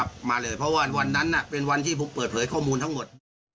มาเลยเพราะว่าวันนั้นเป็นวันที่ผมเปิดเผยข้อมูลทั้งหมด